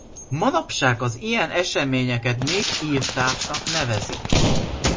Manapság az ilyen eseményeket népirtásnak nevezik.